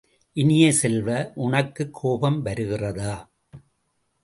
இனிய செல்வ, உனக்குக் கோபம் வருகிறதா?